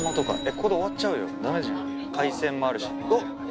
ここで終わっちゃうよダメじゃん海鮮もあるし。